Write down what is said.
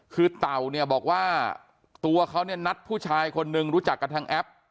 คือเต่าเนี่ยบอกว่าตัวเขาเนี่ยนัดผู้ชายคนนึงรู้จักกันทางแอป